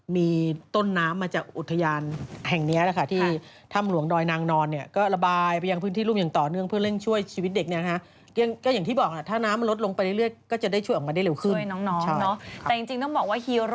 มีต้นน้ำมาจากอุทยานแห่งนี้แหละค่ะ